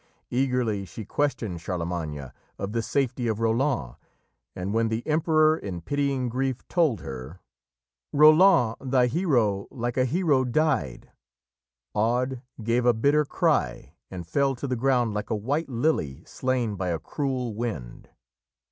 Eagerly she questioned Charlemagne of the safety of Roland, and when the Emperor, in pitying grief, told her: "Roland, thy hero, like a hero died," Aude gave a bitter cry and fell to the ground like a white lily slain by a cruel wind.